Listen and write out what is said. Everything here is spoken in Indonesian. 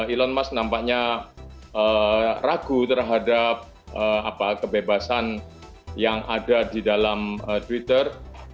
elon musk nampaknya ragu terhadap kebebasan yang ada di dalam twitter